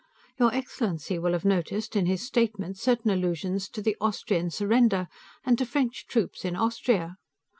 Your excellency will have noticed, in his statement, certain allusions to the Austrian surrender, and to French troops in Austria.